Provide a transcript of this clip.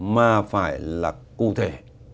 mà phải là cụ thể